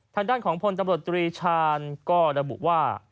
ทางด้านของพลตำรวจตรีชาญก็ระบุว่า